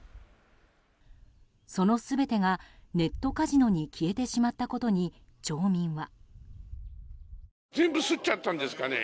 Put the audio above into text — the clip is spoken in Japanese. その全てがネットカジノに消えてしまったことに町民は。